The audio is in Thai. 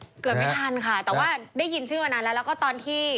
เกือบไม่ทันค่ะแต่ว่าได้ยินชื่อมานานแล้วแล้วก็ตอนที่